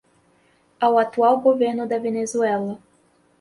ao atual governo da Venezuela